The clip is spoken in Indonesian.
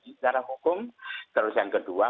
secara hukum terus yang kedua